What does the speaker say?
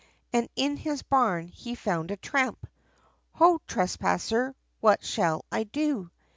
And in his barn, he found a tramp! "Ho, trespasser, what shall I do?"